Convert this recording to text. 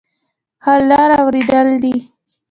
حل لاره اورېدل دي.